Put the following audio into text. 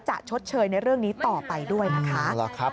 ชดเชยในเรื่องนี้ต่อไปด้วยนะคะ